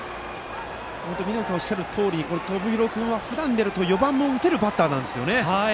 本当、見浪さんおっしゃるとおり友廣君はふだんだと４番も打てるバッターなんですね。